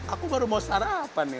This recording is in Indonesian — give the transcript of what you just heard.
aku baru mau sarapan nih